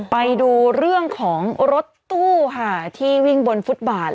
ไปดูเรื่องของรถตู้ค่ะที่วิ่งบนฟุตบาท